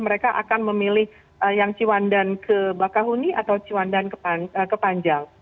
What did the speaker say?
mereka akan memilih yang ciwandan ke bakahuni atau ciwandan ke panjang